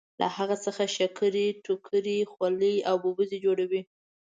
له هغه څخه شکرۍ ټوکرۍ خولۍ او ببوزي جوړوي.